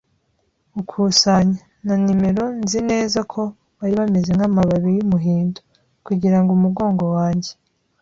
gukusanya; na numero, nzi neza ko bari bameze nkamababi yumuhindo, kugirango umugongo wanjye